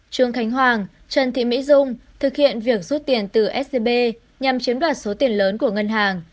trương khánh hoàng trần thị mỹ dung thực hiện việc rút tiền từ sdb nhằm chiếm đoạt số tiền lớn của ngân hàng